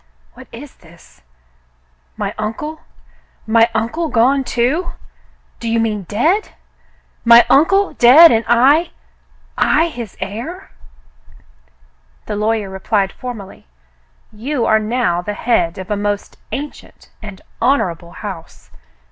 "What is this? My uncle .'^ My uncle gone, too.f* Do you mean dead .? My uncle dead, and I — I his heir .?" The lawyer replied formally, "You are now the head of a most ancient and honorable house.